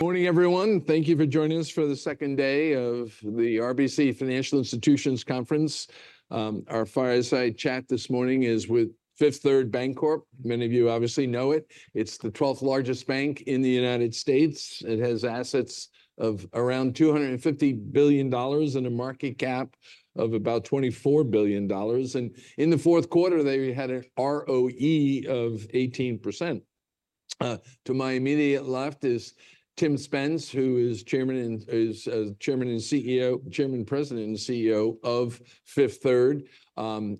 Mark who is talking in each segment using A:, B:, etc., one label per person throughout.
A: Morning, everyone. Thank you for joining us for the second day of the RBC Financial Institutions Conference. Our fireside chat this morning is with Fifth Third Bancorp. Many of you obviously know it. It's the 12th largest bank in the United States. It has assets of around $250 billion and a market cap of about $24 billion. And in the fourth quarter, they had an ROE of 18%. To my immediate left is Tim Spence, who is Chairman, President and CEO of Fifth Third.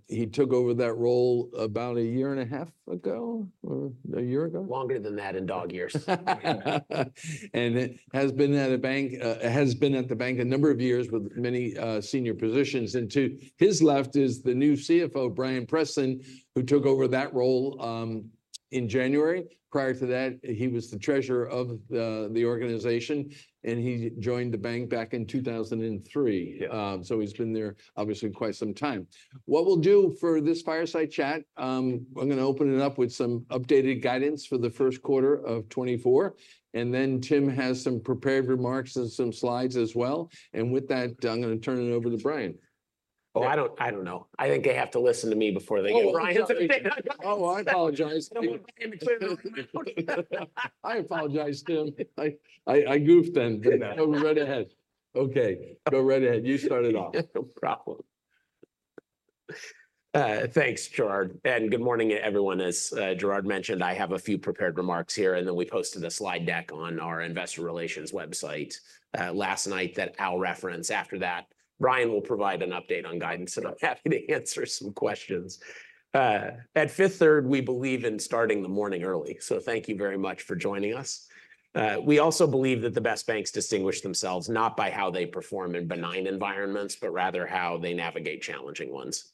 A: He took over that role about a year and a half ago or a year ago.
B: Longer than that in dog years.
A: Has been at a bank, has been at the bank a number of years with many senior positions. To his left is the new CFO, Bryan Preston, who took over that role in January. Prior to that, he was the treasurer of the organization, and he joined the bank back in 2003. So he's been there obviously quite some time. What we'll do for this fireside chat, I'm going to open it up with some updated guidance for the first quarter of 2024. Then Tim has some prepared remarks and some slides as well. With that, I'm going to turn it over to Bryan.
B: Oh, I don't know. I think they have to listen to me before they go.
A: Oh, Bryan. Oh, I apologize. I apologize, Tim. I goofed then. Go right ahead. Okay. Go right ahead. You started off.
B: No problem. Thanks, Gerard. And good morning, everyone. As Gerard mentioned, I have a few prepared remarks here, and then we posted a slide deck on our investor relations website last night that l referenced. After that, Bryan will provide an update on guidance, and I'm happy to answer some questions. At Fifth Third, we believe in starting the morning early. So thank you very much for joining us. We also believe that the best banks distinguish themselves not by how they perform in benign environments, but rather how they navigate challenging ones.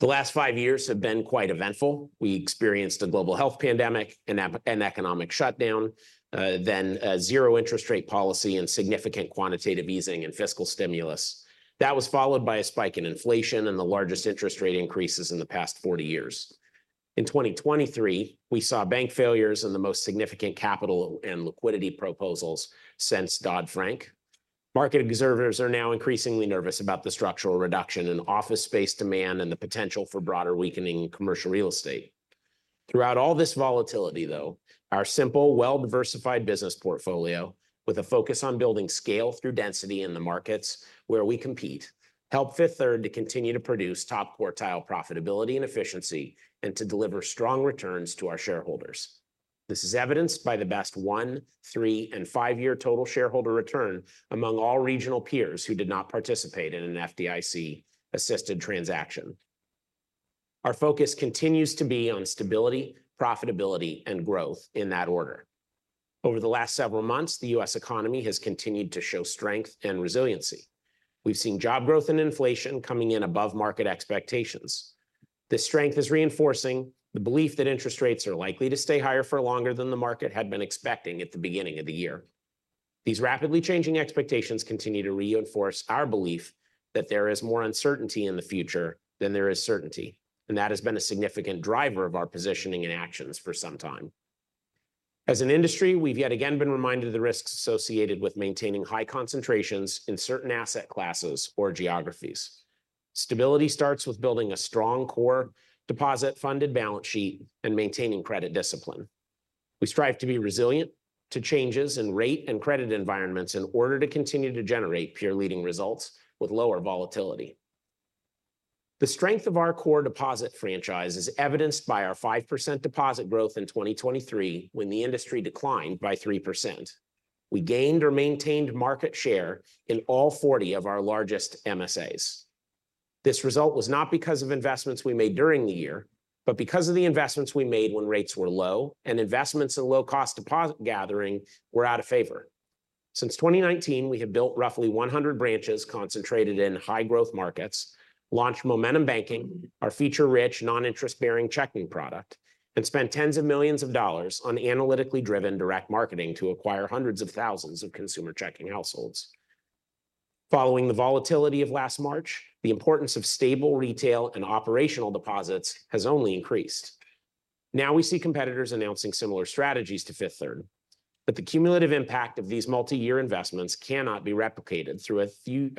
B: The last five years have been quite eventful. We experienced a global health pandemic, an economic shutdown, then zero interest rate policy and significant quantitative easing and fiscal stimulus. That was followed by a spike in inflation and the largest interest rate increases in the past 40 years. In 2023, we saw bank failures and the most significant capital and liquidity proposals since Dodd-Frank. Market observers are now increasingly nervous about the structural reduction in office space demand and the potential for broader weakening in commercial real estate. Throughout all this volatility, though, our simple, well-diversified business portfolio, with a focus on building scale through density in the markets where we compete, helped Fifth Third to continue to produce top quartile profitability and efficiency and to deliver strong returns to our shareholders. This is evidenced by the best one, three, and five-year total shareholder return among all regional peers who did not participate in an FDIC-assisted transaction. Our focus continues to be on stability, profitability, and growth in that order. Over the last several months, the U.S. economy has continued to show strength and resiliency. We've seen job growth and inflation coming in above market expectations. This strength is reinforcing the belief that interest rates are likely to stay higher for longer than the market had been expecting at the beginning of the year. These rapidly changing expectations continue to reinforce our belief that there is more uncertainty in the future than there is certainty, and that has been a significant driver of our positioning and actions for some time. As an industry, we've yet again been reminded of the risks associated with maintaining high concentrations in certain asset classes or geographies. Stability starts with building a strong core deposit-funded balance sheet and maintaining credit discipline. We strive to be resilient to changes in rate and credit environments in order to continue to generate peer-leading results with lower volatility. The strength of our core deposit franchise is evidenced by our 5% deposit growth in 2023 when the industry declined by 3%. We gained or maintained market share in all 40 of our largest MSAs. This result was not because of investments we made during the year, but because of the investments we made when rates were low and investments in low-cost deposit gathering were out of favor. Since 2019, we have built roughly 100 branches concentrated in high-growth markets, launched Momentum Banking, our feature-rich, non-interest-bearing checking product, and spent $ tens of millions on analytically driven direct marketing to acquire hundreds of thousands of consumer checking households. Following the volatility of last March, the importance of stable retail and operational deposits has only increased. Now we see competitors announcing similar strategies to Fifth Third, but the cumulative impact of these multi-year investments cannot be replicated through a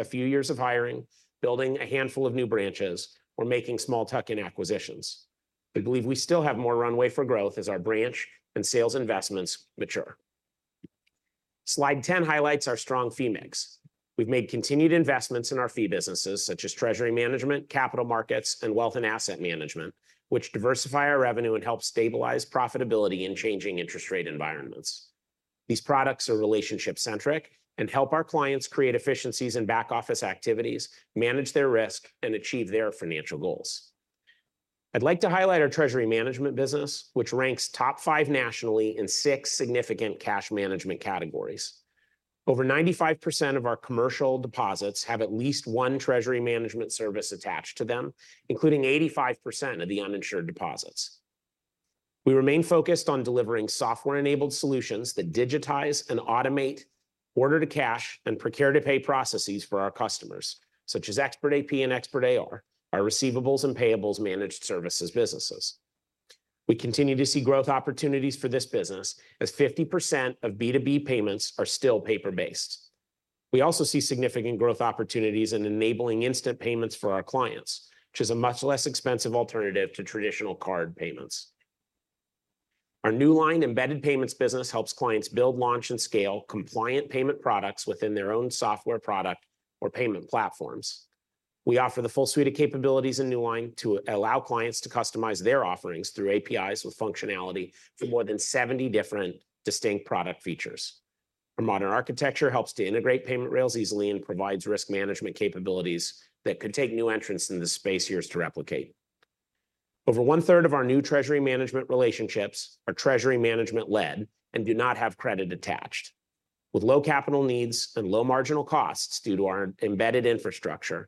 B: few years of hiring, building a handful of new branches, or making small tuck-in acquisitions. We believe we still have more runway for growth as our branch and sales investments mature. Slide 10 highlights our strong fee mix. We've made continued investments in our fee businesses, such as treasury management, capital markets, and wealth and asset management, which diversify our revenue and help stabilize profitability in changing interest rate environments. These products are relationship-centric and help our clients create efficiencies in back-office activities, manage their risk, and achieve their financial goals. I'd like to highlight our treasury management business, which ranks top five nationally in six significant cash management categories. Over 95% of our commercial deposits have at least one treasury management service attached to them, including 85% of the uninsured deposits. We remain focused on delivering software-enabled solutions that digitize and automate order-to-cash and procure-to-pay processes for our customers, such as Expert AP and Expert AR, our receivables and payables managed services businesses. We continue to see growth opportunities for this business as 50% of B2B payments are still paper-based. We also see significant growth opportunities in enabling instant payments for our clients, which is a much less expensive alternative to traditional card payments. Our Newline embedded payments business helps clients build, launch, and scale compliant payment products within their own software product or payment platforms. We offer the full suite of capabilities in Newline to allow clients to customize their offerings through APIs with functionality for more than 70 different distinct product features. Our modern architecture helps to integrate payment rails easily and provides risk management capabilities that could take new entrants in this space years to replicate. Over one-third of our new treasury management relationships are treasury management-led and do not have credit attached. With low capital needs and low marginal costs due to our embedded infrastructure,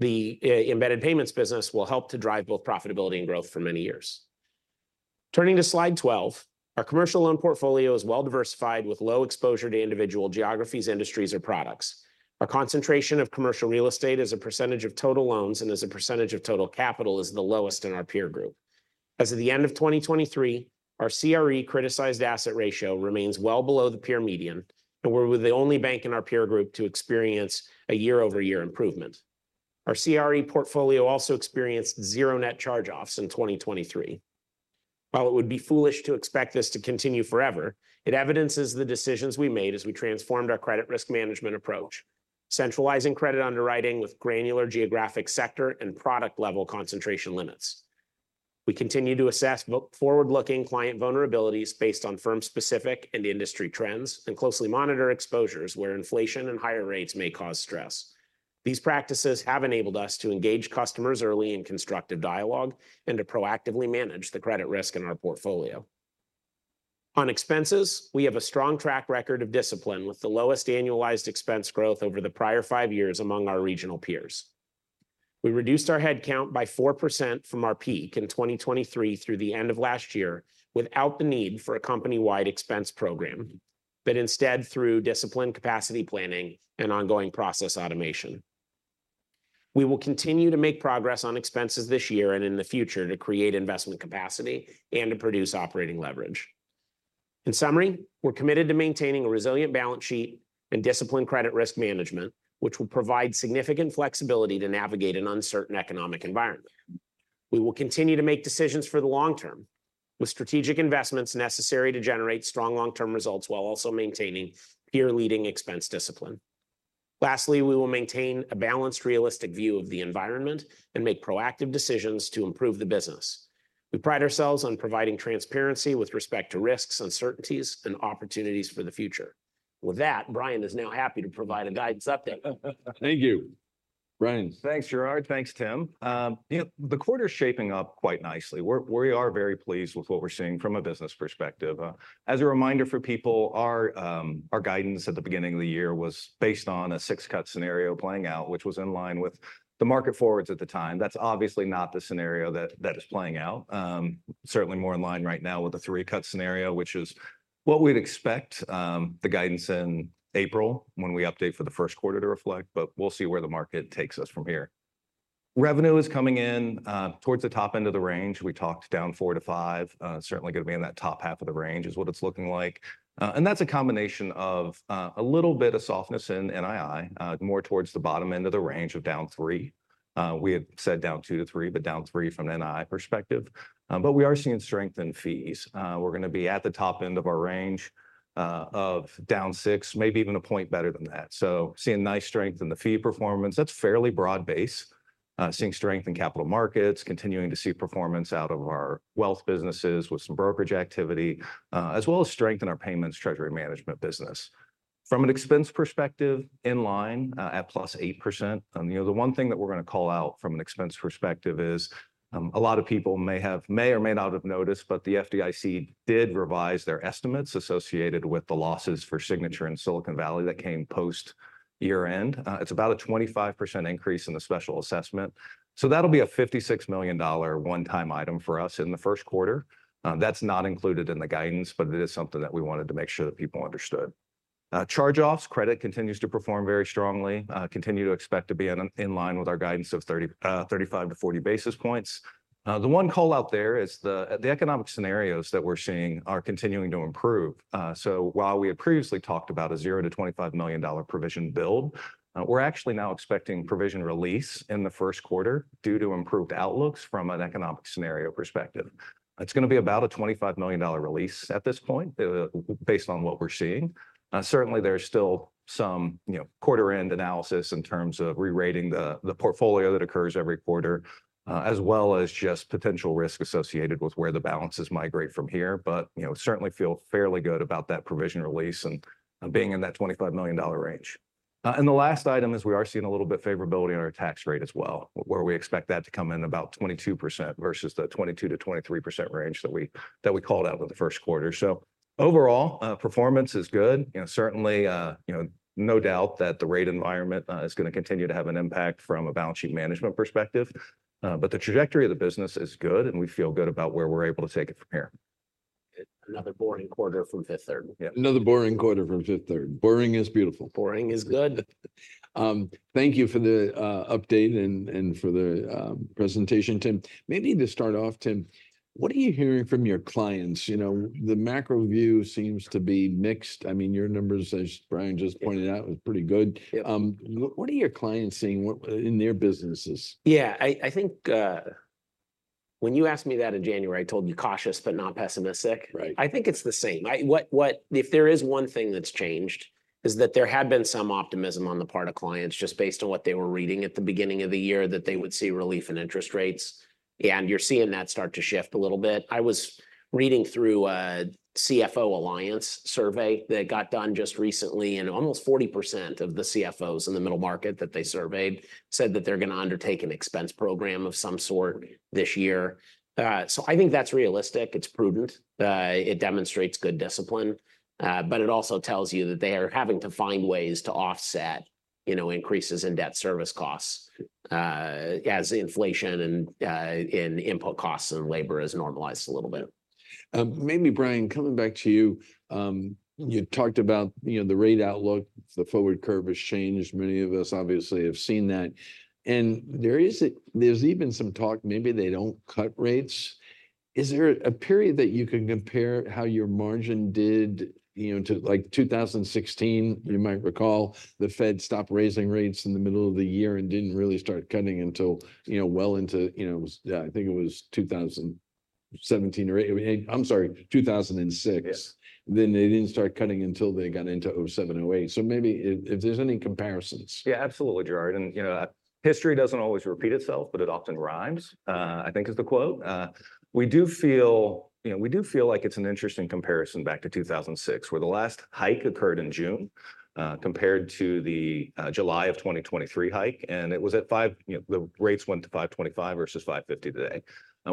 B: the embedded payments business will help to drive both profitability and growth for many years. Turning to slide 12, our commercial loan portfolio is well-diversified with low exposure to individual geographies, industries, or products. Our concentration of commercial real estate as a percentage of total loans and as a percentage of total capital is the lowest in our peer group. As of the end of 2023, our CRE criticized asset ratio remains well below the peer median, and we're the only bank in our peer group to experience a year-over-year improvement. Our CRE portfolio also experienced zero net charge-offs in 2023. While it would be foolish to expect this to continue forever, it evidences the decisions we made as we transformed our credit risk management approach, centralizing credit underwriting with granular geographic sector and product-level concentration limits. We continue to assess forward-looking client vulnerabilities based on firm-specific and industry trends and closely monitor exposures where inflation and higher rates may cause stress. These practices have enabled us to engage customers early in constructive dialogue and to proactively manage the credit risk in our portfolio. On expenses, we have a strong track record of discipline with the lowest annualized expense growth over the prior five years among our regional peers. We reduced our headcount by 4% from our peak in 2023 through the end of last year without the need for a company-wide expense program, but instead through disciplined capacity planning and ongoing process automation. We will continue to make progress on expenses this year and in the future to create investment capacity and to produce operating leverage. In summary, we're committed to maintaining a resilient balance sheet and disciplined credit risk management, which will provide significant flexibility to navigate an uncertain economic environment. We will continue to make decisions for the long term with strategic investments necessary to generate strong long-term results while also maintaining peer-leading expense discipline. Lastly, we will maintain a balanced, realistic view of the environment and make proactive decisions to improve the business. We pride ourselves on providing transparency with respect to risks, uncertainties, and opportunities for the future. With that, Bryan is now happy to provide a guidance update.
A: Thank you, Bryan.
C: Thanks, Gerard. Thanks, Tim. You know, the quarter's shaping up quite nicely. We're very pleased with what we're seeing from a business perspective. As a reminder for people, our guidance at the beginning of the year was based on a six-cut scenario playing out, which was in line with the market forwards at the time. That's obviously not the scenario that is playing out. Certainly more in line right now with the three-cut scenario, which is what we'd expect, the guidance in April when we update for the first quarter to reflect. But we'll see where the market takes us from here. Revenue is coming in towards the top end of the range. We talked down four to five. Certainly going to be in that top half of the range is what it's looking like. That's a combination of a little bit of softness in NII, more towards the bottom end of the range of down 3%. We had said down 2%-3%, but down 3% from an NII perspective. But we are seeing strength in fees. We're going to be at the top end of our range of down 6%, maybe even a point better than that. So seeing nice strength in the fee performance. That's fairly broad-based. Seeing strength in capital markets, continuing to see performance out of our wealth businesses with some brokerage activity, as well as strength in our payments treasury management business. From an expense perspective, in line at +8%. You know, the one thing that we're going to call out from an expense perspective is a lot of people may or may not have noticed, but the FDIC did revise their estimates associated with the losses for Signature and Silicon Valley that came post-year-end. It's about a 25% increase in the special assessment. So that'll be a $56 million one-time item for us in the first quarter. That's not included in the guidance, but it is something that we wanted to make sure that people understood. Charge-offs, credit continues to perform very strongly, continue to expect to be in line with our guidance of 35-40 basis points. The one callout there is the economic scenarios that we're seeing are continuing to improve. So while we had previously talked about a $0-$25 million provision build, we're actually now expecting provision release in the first quarter due to improved outlooks from an economic scenario perspective. It's going to be about a $25 million release at this point, based on what we're seeing. Certainly, there's still some, you know, quarter-end analysis in terms of rerating the portfolio that occurs every quarter, as well as just potential risk associated with where the balances migrate from here. But, you know, certainly feel fairly good about that provision release and being in that $25 million range. And the last item is we are seeing a little bit of favorability on our tax rate as well, where we expect that to come in about 22% versus the 22%-23% range that we called out in the first quarter. So overall, performance is good. You know, certainly, you know, no doubt that the rate environment is going to continue to have an impact from a balance sheet management perspective. But the trajectory of the business is good, and we feel good about where we're able to take it from here.
A: Another boring quarter from Fifth Third.
C: Yeah, another boring quarter from Fifth Third. Boring is beautiful.
A: Boring is good. Thank you for the update and for the presentation, Tim. Maybe to start off, Tim, what are you hearing from your clients? You know, the macro view seems to be mixed. I mean, your numbers, as Bryan just pointed out, were pretty good. What are your clients seeing in their businesses?
B: Yeah, I think when you asked me that in January, I told you cautious but not pessimistic. I think it's the same. If there is one thing that's changed is that there had been some optimism on the part of clients just based on what they were reading at the beginning of the year that they would see relief in interest rates. And you're seeing that start to shift a little bit. I was reading through a CFO Alliance survey that got done just recently, and almost 40% of the CFOs in the middle market that they surveyed said that they're going to undertake an expense program of some sort this year. So I think that's realistic. It's prudent. It demonstrates good discipline. But it also tells you that they are having to find ways to offset, you know, increases in debt service costs as inflation and input costs and labor has normalized a little bit.
A: Maybe, Bryan, coming back to you, you talked about, you know, the rate outlook. The forward curve has changed. Many of us obviously have seen that. And there's even some talk maybe they don't cut rates. Is there a period that you can compare how your margin did, you know, to like 2016? You might recall the Fed stopped raising rates in the middle of the year and didn't really start cutting until, you know, well into, you know, I think it was 2017 or I'm sorry, 2006. Then they didn't start cutting until they got into 2007, 2008. So maybe if there's any comparisons.
C: Yeah, absolutely, Gerard. And, you know, history doesn't always repeat itself, but it often rhymes, I think is the quote. We do feel, you know, we do feel like it's an interesting comparison back to 2006, where the last hike occurred in June compared to the July of 2023 hike. And it was at 5, you know, the rates went to 5.25 versus 5.50 today.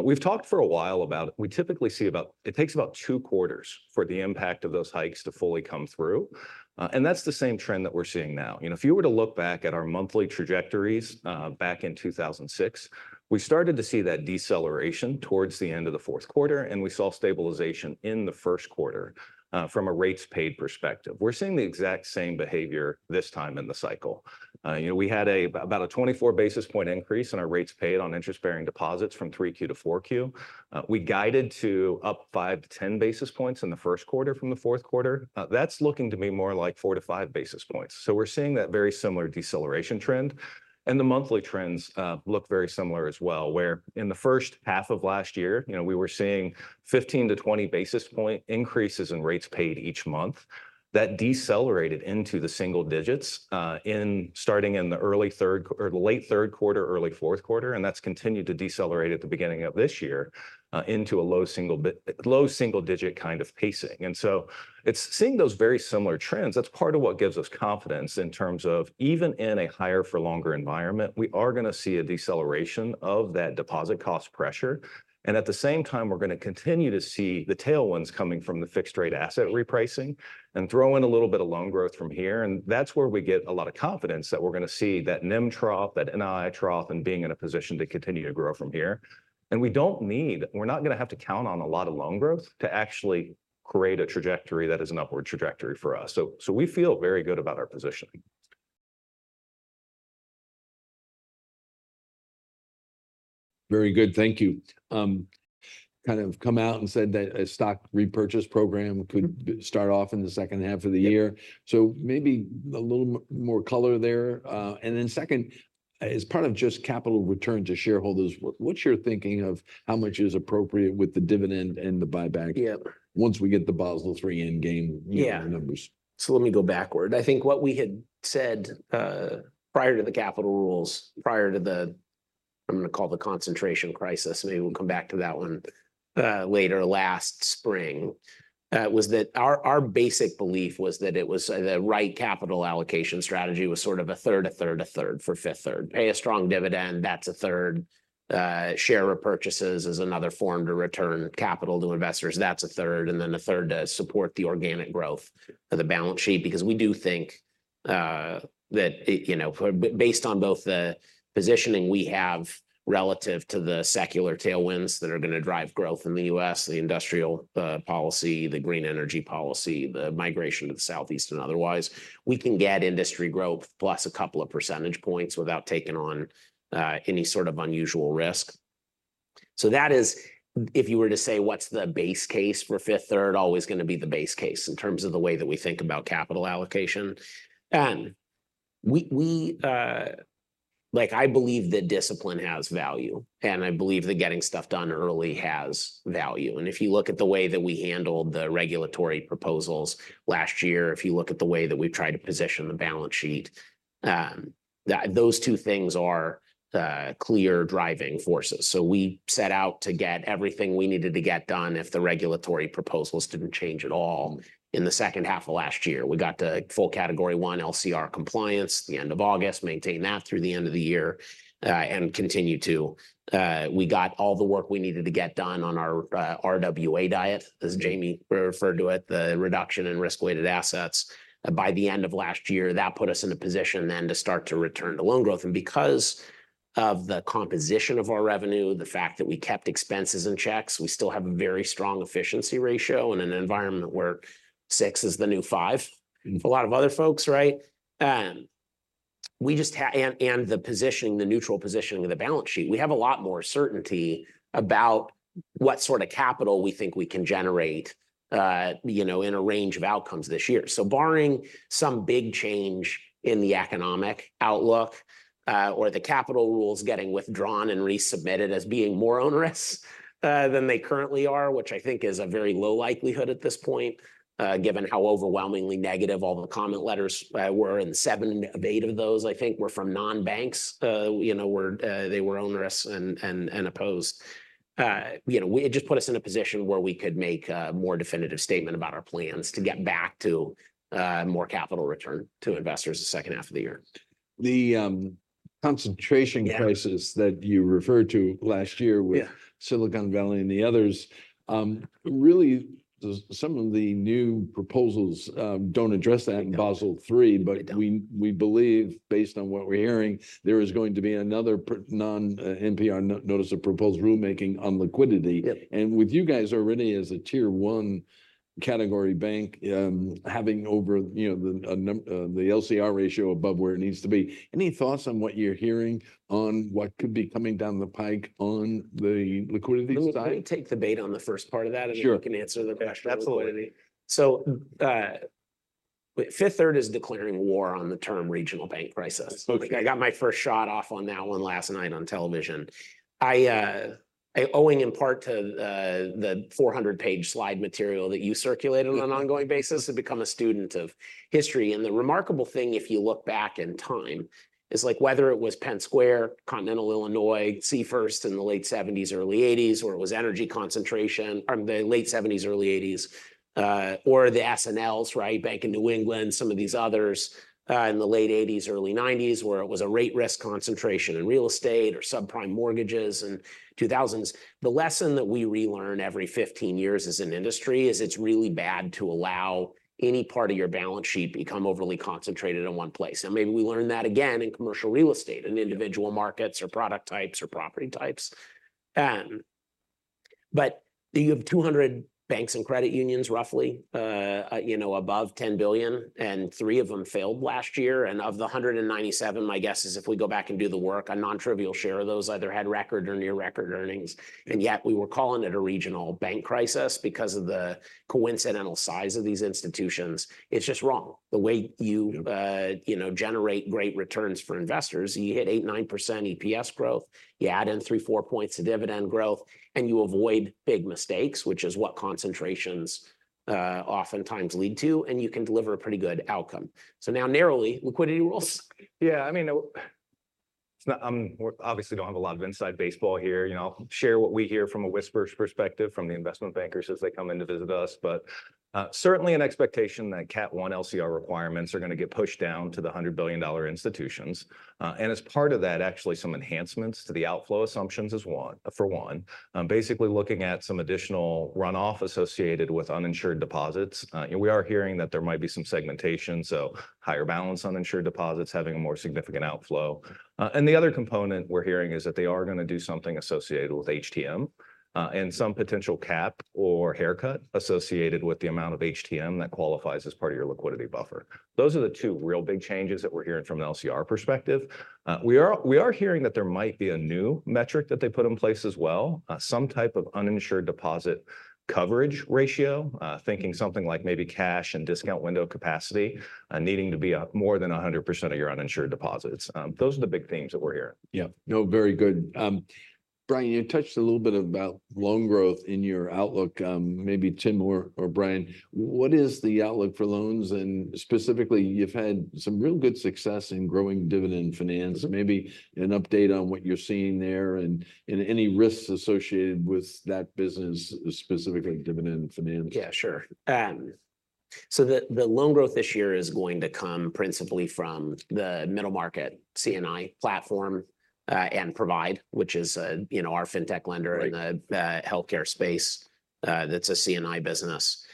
C: We've talked for a while about we typically see about it takes about two quarters for the impact of those hikes to fully come through. And that's the same trend that we're seeing now. You know, if you were to look back at our monthly trajectories back in 2006, we started to see that deceleration towards the end of the fourth quarter, and we saw stabilization in the first quarter from a rates paid perspective. We're seeing the exact same behavior this time in the cycle. You know, we had about a 24 basis point increase in our rates paid on interest-bearing deposits from 3Q to 4Q. We guided to up 5-10 basis points in the first quarter from the fourth quarter. That's looking to be more like 4-5 basis points. So we're seeing that very similar deceleration trend. And the monthly trends look very similar as well, where in the first half of last year, you know, we were seeing 15-20 basis point increases in rates paid each month. That decelerated into the single digits starting in the early third or late third quarter, early fourth quarter, and that's continued to decelerate at the beginning of this year into a low single-digit kind of pacing. And so it's seeing those very similar trends. That's part of what gives us confidence in terms of even in a higher-for-longer environment, we are going to see a deceleration of that deposit cost pressure. And at the same time, we're going to continue to see the tailwinds coming from the fixed-rate asset repricing and throw in a little bit of loan growth from here. And that's where we get a lot of confidence that we're going to see that NIM trough, that NII trough, and being in a position to continue to grow from here. And we're not going to have to count on a lot of loan growth to actually create a trajectory that is an upward trajectory for us. So we feel very good about our positioning.
A: Very good. Thank you. Kind of come out and said that a stock repurchase program could start off in the second half of the year. So maybe a little more color there. And then second, as part of just capital return to shareholders, what's your thinking of how much is appropriate with the dividend and the buyback once we get the Basel III Endgame numbers?
B: Yeah, so let me go backward. I think what we had said prior to the capital rules, prior to the, I'm going to call it the concentration crisis, maybe we'll come back to that one later, last spring, was that our basic belief was that it was the right capital allocation strategy was sort of a third, a third, a third for Fifth Third. Pay a strong dividend, that's a third. Share repurchases is another form to return capital to investors, that's a third, and then a third to support the organic growth of the balance sheet. Because we do think that, you know, based on both the positioning we have relative to the secular tailwinds that are going to drive growth in the U.S., the industrial policy, the green energy policy, the migration to the Southeast and otherwise, we can get industry growth plus a couple of percentage points without taking on any sort of unusual risk. So that is, if you were to say what's the base case for Fifth Third, always going to be the base case in terms of the way that we think about capital allocation. Like, I believe that discipline has value, and I believe that getting stuff done early has value. And if you look at the way that we handled the regulatory proposals last year, if you look at the way that we've tried to position the balance sheet, those two things are clear driving forces. So we set out to get everything we needed to get done if the regulatory proposals didn't change at all in the second half of last year. We got to full Category One LCR compliance at the end of August, maintained that through the end of the year, and continued to. We got all the work we needed to get done on our RWA diet, as Jamie referred to it, the reduction in risk-weighted assets. By the end of last year, that put us in a position then to start to return to loan growth. And because of the composition of our revenue, the fact that we kept expenses and checks, we still have a very strong efficiency ratio in an environment where six is the new five for a lot of other folks, right? The positioning, the neutral positioning of the balance sheet, we have a lot more certainty about what sort of capital we think we can generate, you know, in a range of outcomes this year. So barring some big change in the economic outlook or the capital rules getting withdrawn and resubmitted as being more onerous than they currently are, which I think is a very low likelihood at this point, given how overwhelmingly negative all the comment letters were. And seven of eight of those, I think, were from non-banks, you know, where they were onerous and opposed. You know, it just put us in a position where we could make a more definitive statement about our plans to get back to more capital return to investors the second half of the year.
A: The concentration crisis that you referred to last year with Silicon Valley and the others, really, some of the new proposals don't address that in Basel III. But we believe, based on what we're hearing, there is going to be another ANPR notice of proposed rulemaking on liquidity. And with you guys already as a Tier One Category Bank having over, you know, the LCR ratio above where it needs to be, any thoughts on what you're hearing on what could be coming down the pike on the liquidity side?
B: Let me take the bait on the first part of that, and then you can answer the question on liquidity. So Fifth Third is declaring war on the term regional bank crisis. I got my first shot off on that one last night on television. Owing in part to the 400-page slide material that you circulated on an ongoing basis, I've become a student of history. And the remarkable thing, if you look back in time, is like whether it was Penn Square, Continental Illinois, Seafirst in the late '70s, early '80s, or it was energy concentration or the late '70s, early '80s, or the S&Ls, right? Bank of New England, some of these others in the late '80s, early '90s, where it was a rate-risk concentration in real estate or subprime mortgages in the 2000s. The lesson that we relearn every 15 years as an industry is it's really bad to allow any part of your balance sheet become overly concentrated in one place. Now, maybe we learn that again in commercial real estate, in individual markets or product types or property types. But you have 200 banks and credit unions, roughly, you know, above $10 billion, and 3 of them failed last year. And of the 197, my guess is if we go back and do the work, a non-trivial share of those either had record or near-record earnings. And yet we were calling it a regional bank crisis because of the coincidental size of these institutions. It's just wrong. The way you, you know, generate great returns for investors, you hit 8%, 9% EPS growth, you add in 3, 4 points of dividend growth, and you avoid big mistakes, which is what concentrations oftentimes lead to, and you can deliver a pretty good outcome. So now narrowly, liquidity rules.
C: Yeah, I mean, I obviously don't have a lot of inside baseball here. You know, I'll share what we hear from a whisper perspective from the investment bankers as they come in to visit us. But certainly an expectation that Category One LCR requirements are going to get pushed down to the $100 billion institutions. And as part of that, actually, some enhancements to the outflow assumptions is one, for one, basically looking at some additional runoff associated with uninsured deposits. You know, we are hearing that there might be some segmentation, so higher balance uninsured deposits having a more significant outflow. And the other component we're hearing is that they are going to do something associated with HTM and some potential cap or haircut associated with the amount of HTM that qualifies as part of your liquidity buffer. Those are the two real big changes that we're hearing from an LCR perspective. We are hearing that there might be a new metric that they put in place as well, some type of uninsured deposit coverage ratio, thinking something like maybe cash and discount window capacity needing to be more than 100% of your uninsured deposits. Those are the big themes that we're hearing.
A: Yeah, no, very good. Bryan, you touched a little bit about loan growth in your outlook. Maybe Tim or Bryan, what is the outlook for loans? And specifically, you've had some real good success in growing Dividend Finance. Maybe an update on what you're seeing there and any risks associated with that business, specifically Dividend Finance.
B: Yeah, sure. So the loan growth this year is going to come principally from the middle market C&I platform and Provide, which is, you know, our fintech lender in the healthcare space. That's a C&I business.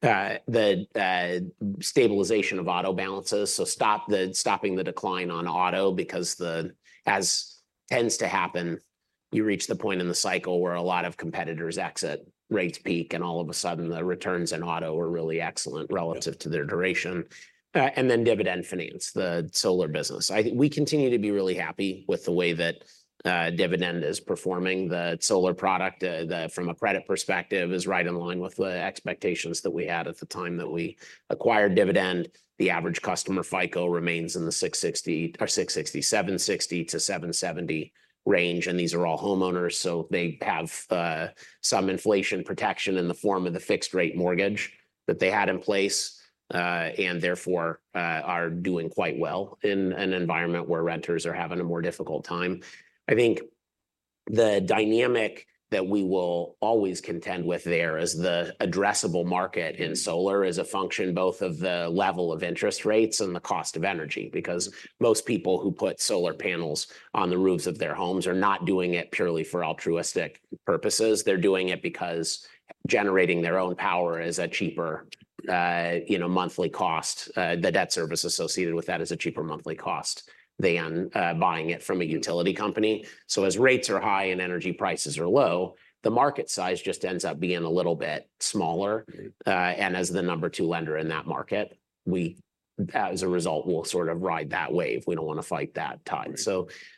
B: The stabilization of auto balances, so stopping the decline on auto because the, as tends to happen, you reach the point in the cycle where a lot of competitors exit, rates peak, and all of a sudden the returns in auto are really excellent relative to their duration. And then Dividend Finance, the solar business. I think we continue to be really happy with the way that Dividend Finance is performing. The solar product, from a credit perspective, is right in line with the expectations that we had at the time that we acquired Dividend Finance. The average customer FICO remains in the 660, or 660, 760-770 range. These are all homeowners, so they have some inflation protection in the form of the fixed-rate mortgage that they had in place and therefore are doing quite well in an environment where renters are having a more difficult time. I think the dynamic that we will always contend with there as the addressable market in solar is a function both of the level of interest rates and the cost of energy. Because most people who put solar panels on the roofs of their homes are not doing it purely for altruistic purposes. They're doing it because generating their own power is a cheaper, you know, monthly cost. The debt service associated with that is a cheaper monthly cost than buying it from a utility company. So as rates are high and energy prices are low, the market size just ends up being a little bit smaller. As the number two lender in that market, we, as a result, will sort of ride that wave. We don't want to fight that tide.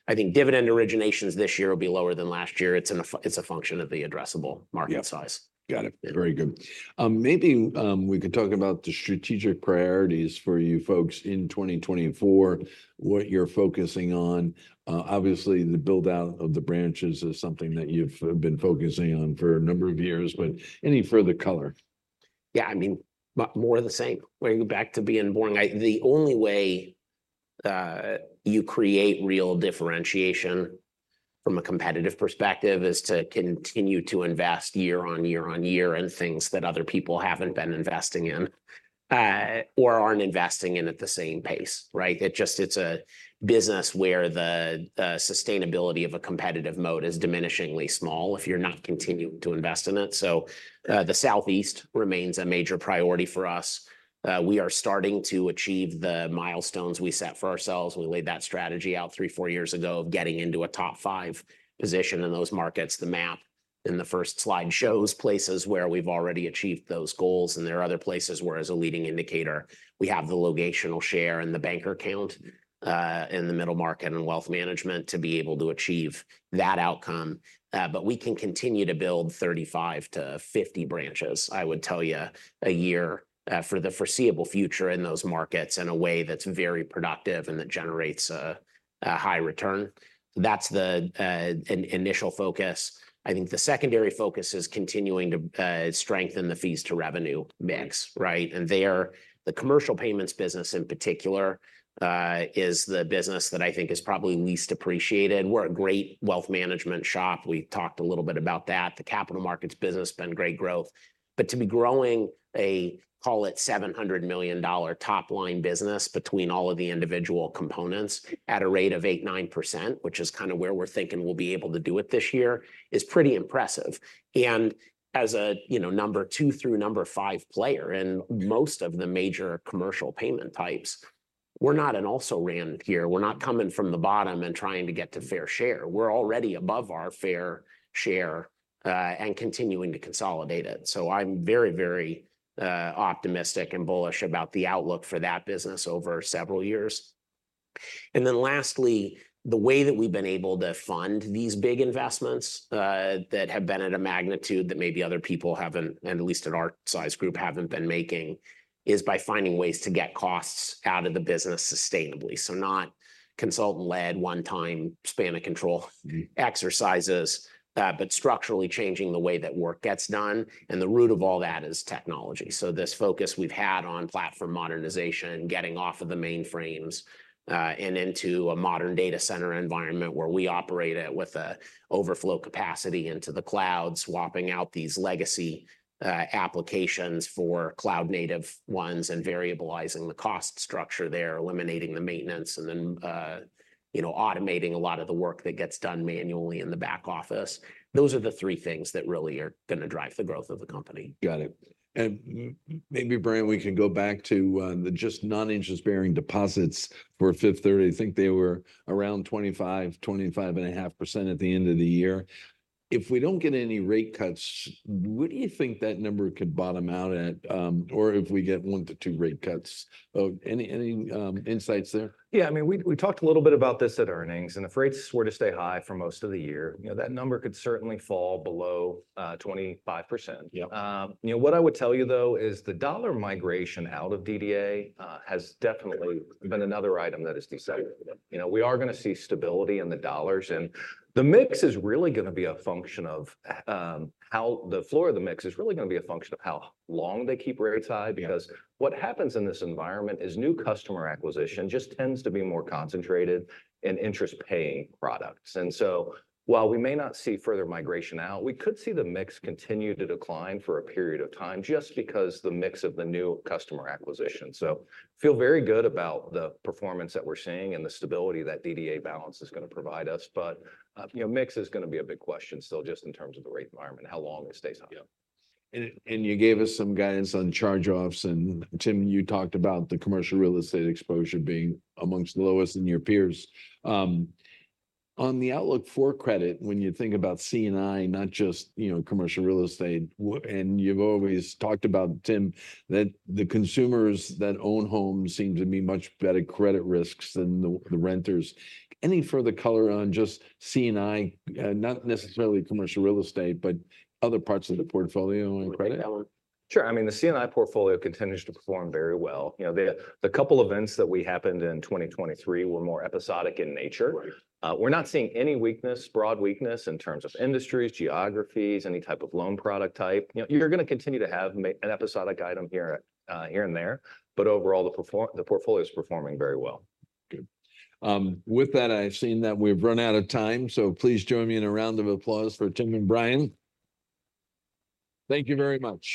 B: I think Dividend originations this year will be lower than last year. It's a function of the addressable market size.
A: Got it. Very good. Maybe we could talk about the strategic priorities for you folks in 2024, what you're focusing on. Obviously, the buildout of the branches is something that you've been focusing on for a number of years, but any further color?
B: Yeah, I mean, more of the same. We're back to being boring. The only way you create real differentiation from a competitive perspective is to continue to invest year on year on year in things that other people haven't been investing in or aren't investing in at the same pace, right? It's just a business where the sustainability of a competitive mode is diminishingly small if you're not continuing to invest in it. So the Southeast remains a major priority for us. We are starting to achieve the milestones we set for ourselves. We laid that strategy out 3-4 years ago of getting into a top 5 position in those markets. The map in the first slide shows places where we've already achieved those goals. There are other places where, as a leading indicator, we have the locational share and the banker count in the middle market and wealth management to be able to achieve that outcome. But we can continue to build 35-50 branches, I would tell you, a year for the foreseeable future in those markets in a way that's very productive and that generates a high return. That's the initial focus. I think the secondary focus is continuing to strengthen the fees to revenue mix, right? And there, the commercial payments business in particular is the business that I think is probably least appreciated. We're a great wealth management shop. We talked a little bit about that. The capital markets business has been great growth. But to be growing a, call it, $700 million top line business between all of the individual components at a rate of 8%-9%, which is kind of where we're thinking we'll be able to do it this year, is pretty impressive. And as a, you know, number 2 through number 5 player in most of the major commercial payment types, we're not an also-ran here. We're not coming from the bottom and trying to get to fair share. We're already above our fair share and continuing to consolidate it. So I'm very, very optimistic and bullish about the outlook for that business over several years. And then lastly, the way that we've been able to fund these big investments that have been at a magnitude that maybe other people haven't, and at least at our size group, haven't been making, is by finding ways to get costs out of the business sustainably. So not consultant-led one-time span of control exercises, but structurally changing the way that work gets done. And the root of all that is technology. So this focus we've had on platform modernization, getting off of the mainframes and into a modern data center environment where we operate it with an overflow capacity into the cloud, swapping out these legacy applications for cloud-native ones and variabilizing the cost structure there, eliminating the maintenance, and then, you know, automating a lot of the work that gets done manually in the back office. Those are the three things that really are going to drive the growth of the company.
A: Got it. And maybe, Bryan, we can go back to the just non-interest-bearing deposits for Fifth Third. I think they were around 25%, 25.5% at the end of the year. If we don't get any rate cuts, where do you think that number could bottom out at? Or if we get 1-2 rate cuts, any insights there?
C: Yeah, I mean, we talked a little bit about this at earnings. And if rates were to stay high for most of the year, you know, that number could certainly fall below 25%. You know, what I would tell you, though, is the dollar migration out of DDA has definitely been another item that is decent. You know, we are going to see stability in the dollars. And the mix is really going to be a function of how the floor of the mix is really going to be a function of how long they keep rates high. Because what happens in this environment is new customer acquisition just tends to be more concentrated in interest-paying products. And so while we may not see further migration out, we could see the mix continue to decline for a period of time just because of the mix of the new customer acquisition. I feel very good about the performance that we're seeing and the stability that DDA balance is going to provide us. You know, mix is going to be a big question still just in terms of the rate environment, how long it stays high.
A: You gave us some guidance on charge-offs. Tim, you talked about the commercial real estate exposure being among the lowest in your peers. On the outlook for credit, when you think about C&I, not just, you know, commercial real estate, and you've always talked about, Tim, that the consumers that own homes seem to be much better credit risks than the renters. Any further color on just C&I, not necessarily commercial real estate, but other parts of the portfolio and credit?
C: Sure. I mean, the C&I portfolio continues to perform very well. You know, the couple of events that happened in 2023 were more episodic in nature. We're not seeing any weakness, broad weakness, in terms of industries, geographies, any type of loan product type. You know, you're going to continue to have an episodic item here and there. But overall, the portfolio is performing very well.
A: Good. With that, I've seen that we've run out of time. So please join me in a round of applause for Tim and Bryan. Thank you very much.